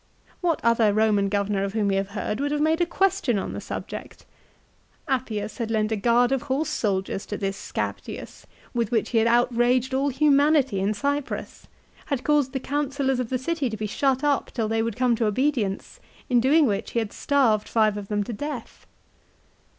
What other Eoman governor of whom we have heard would have made a question on the subject ? Appius had lent a guard of horse soldiers to this Scaptius with which he had out raged all humanity in Cyprus, had caused the councillors of the city to be shut up till they would come to obedience, in doing which he had starved five of them to death